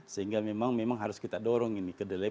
sehingga memang harus kita dorong ini kedelai